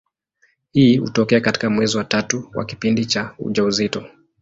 Hii hutokea katika mwezi wa tatu wa kipindi cha ujauzito.